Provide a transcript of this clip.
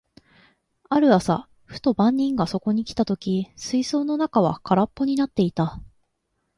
ある朝、ふと番人がそこに来た時、水槽の中は空っぽになっていた。